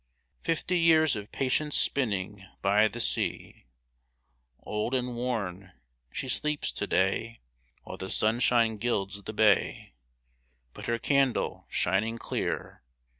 Fifty years of patient spinning By the sea ! Old and worn, she sleeps to day. While the sunshine gilds the bay ; But her candle, shining clear.